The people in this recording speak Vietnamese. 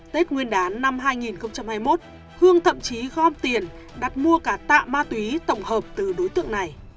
tết nguyên đán năm hai nghìn hai mươi một hương thậm chí gom tiền đặt mua cả tạ ma túy tổng hợp từ đối tượng này